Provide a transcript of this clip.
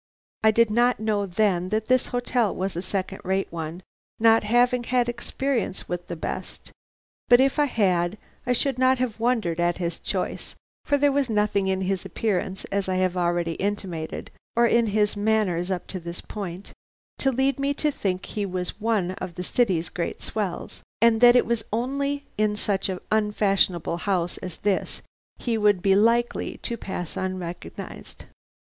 I did not know then that this hotel was a second rate one, not having had experience with the best, but if I had, I should not have wondered at his choice, for there was nothing in his appearance, as I have already intimated, or in his manners up to this point, to lead me to think he was one of the city's great swells, and that it was only in such an unfashionable house as this he would be likely to pass unrecognized.